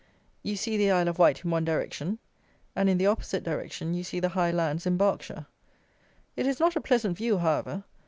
You see the Isle of Wight in one direction, and in the opposite direction you see the high lands in Berkshire. It is not a pleasant view, however.